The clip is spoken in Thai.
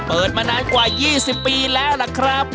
เปิดมานานกว่า๒๐ปีแล้วล่ะครับ